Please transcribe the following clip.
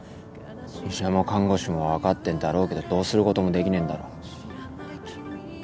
医者も看護師も分かってんだろうけどどうすることもできねえんだろ。